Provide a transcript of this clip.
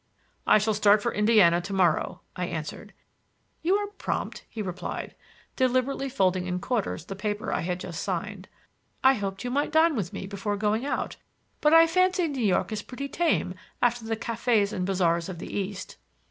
"I shall start for Indiana to morrow," I answered. "You are prompt," he replied, deliberately folding in quarters the paper I had just signed. "I hoped you might dine with me before going out; but I fancy New York is pretty tame after the cafés and bazaars of the East."